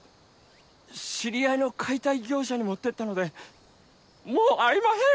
知り合いの解体業者に持ってったのでもうありまふぇん！